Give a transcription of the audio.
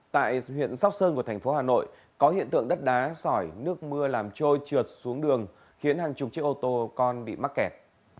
tại huyện sóc sơn của thành phố hà nội có hiện tượng đất đá sỏi nước mưa làm trôi trượt xuống đường khiến hàng chục chiếc ô tô con bị mắc kẹt